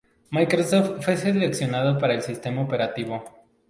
Microsoft fue seleccionado para el sistema operativo.